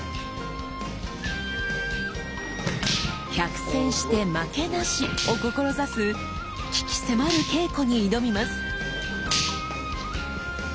「百戦して負けなし」を志す鬼気迫る稽古に挑みます！